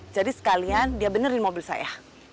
jadi sekalian dia benerin mobil saya